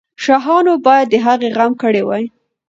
شاهانو باید د هغې غم کړی وای.